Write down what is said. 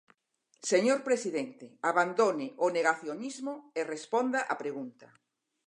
Señor presidente, abandone o negacionismo e responda á pregunta.